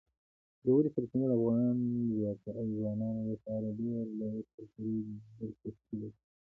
ژورې سرچینې د افغان ځوانانو لپاره ډېره لویه کلتوري دلچسپي لري.